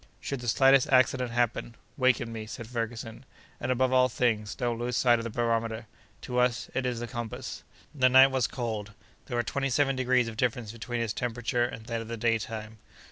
"Should the slightest accident happen, waken me," said Ferguson, "and, above all things, don't lose sight of the barometer. To us it is the compass!" The night was cold. There were twenty seven degrees of difference between its temperature and that of the daytime.